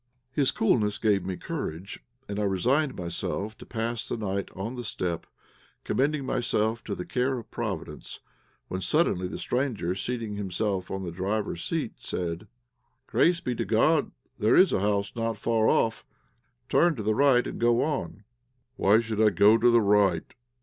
His coolness gave me courage, and I resigned myself to pass the night on the steppe, commending myself to the care of Providence, when suddenly the stranger, seating himself on the driver's seat, said "Grace be to God, there is a house not far off. Turn to the right, and go on." "Why should I go to the right?"